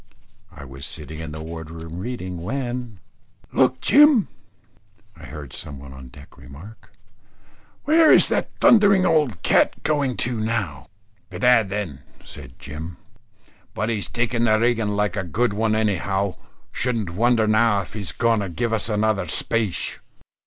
I was sitting in the ward room reading, when "Look Jim!" I heard some one on deck remark. "Where is that thundering old cat going to now?" "Bedad then," said Jim, "but he's taking the rigging like a good one anyhow. Shouldn't wonder now if he was going to give us another spache."